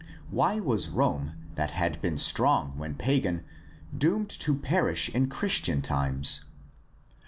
Why was Rome, that had been strong when pagan, doomed to perish in Christian times